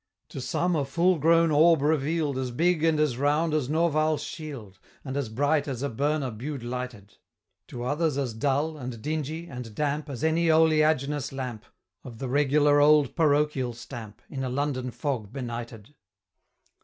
To some a full grown orb reveal'd As big and as round as Norval's shield, And as bright as a burner Bude lighted; To others as dull, and dingy, and damp, As any oleaginous lamp, Of the regular old parochial stamp, In a London fog benighted.